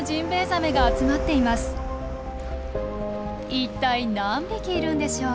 一体何匹いるんでしょう？